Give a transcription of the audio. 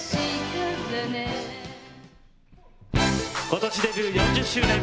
ことしデビュー４０周年！